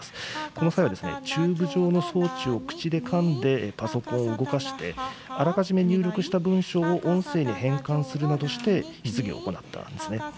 この方はチューブ状の装置を口でかんで、パソコンを動かして、あらかじめ入力した文章を音声に変換するなどして質疑を行ったんですね。